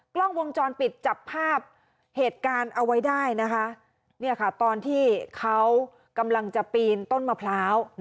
กล้องวงจรปิดจับภาพเหตุการณ์เอาไว้ได้นะคะเนี่ยค่ะตอนที่เขากำลังจะปีนต้นมะพร้าว